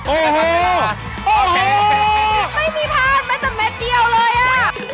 โอ้โหโอ้โหไม่มีพาดแม่นแต่แม่นเดียวเลยอ่ะ